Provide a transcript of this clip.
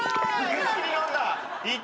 一気に飲んだ。